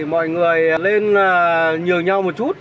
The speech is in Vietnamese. mọi người lên nhường nhau một chút